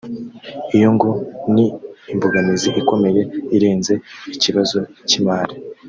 Iyo ngo ni imbogamizi ikomeye irenze ikibazo cy’imari